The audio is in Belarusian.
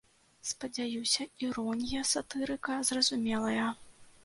Спадзяюся, іронія сатырыка зразумелая.